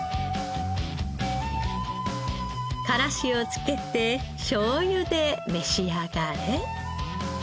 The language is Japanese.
からしを付けてしょうゆで召し上がれ。